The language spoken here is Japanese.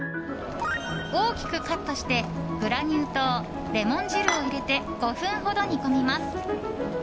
大きくカットしてグラニュー糖、レモン汁を入れて５分ほど煮込みます。